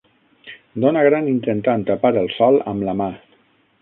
Dona gran intentant tapar el sol amb la mà.